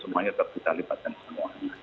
semuanya kan bisa kita libatkan semuanya